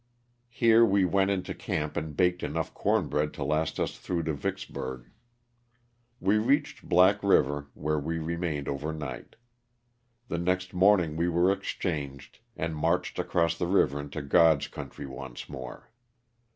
Here we went into camp and baked enough corn bread to last us through to Vicksburg. We reached Black Eiver, where we remained over night. The next morning we were exchanged and marched across the river into Grod's country once more.